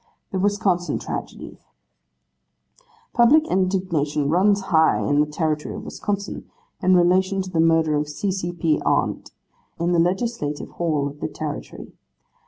'The Wisconsin Tragedy. Public indignation runs high in the territory of Wisconsin, in relation to the murder of C. C. P. Arndt, in the Legislative Hall of the Territory.